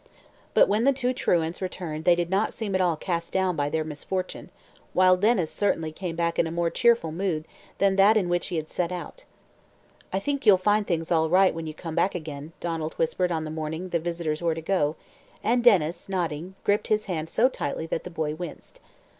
But when the two truants returned they did not seem at all cast down by their misfortune, while Denys certainly came back in a more cheerful mood than that in which he had set out. "I think you'll find things all right when you come back again," Donald whispered on the morning the visitors were to go, and Denys, nodding, gripped his hand so tightly that the boy winced.